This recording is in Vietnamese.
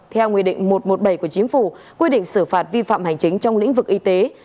theo nguyên định một trăm một mươi bảy của chính phủ quy định xử phạt vi phạm hành chính trong lĩnh vực y tế